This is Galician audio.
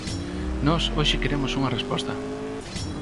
Nós hoxe queremos unha resposta.